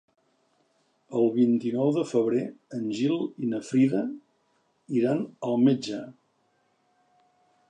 El vint-i-nou de febrer en Gil i na Frida iran al metge.